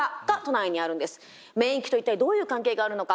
免疫と一体どういう関係があるのか。